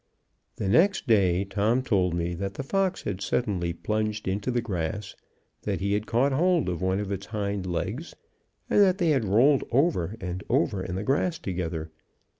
The next day, Tom told me that the fox had suddenly plunged into the grass, that he had caught hold of one of its hind legs, and that they had rolled over and over in the grass together.